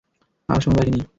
আর সময় বাকি নেই।